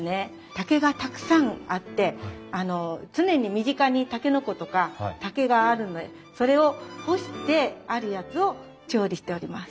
竹がたくさんあって常に身近にタケノコとか竹があるんでそれを干してあるやつを調理しております。